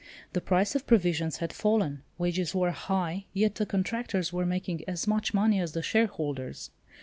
The price of provisions had fallen. Wages were high—yet the contractors were making as much money as the shareholders.